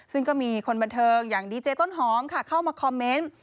ซึ่งก็มีคนบันเทิงอย่างดีเจต้นหอมค่ะเข้ามาคอมเมนต์